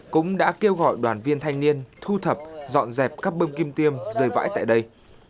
cũng đã kêu gọi đoàn viên thanh niên thu thập dọn dẹp các bơm kim tiêm rơi vãi tại đây